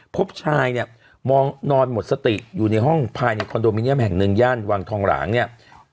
พบชายเนี่ยมองนอนหมดสติอยู่ในห้องภายในคอนโดมิเนียมแห่งหนึ่งย่านวังทองหลางเนี่ย